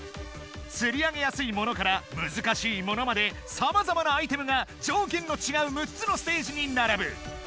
つり上げやすいものからむずかしいものまでさまざまなアイテムがじょうけんのちがう６つのステージにならぶ。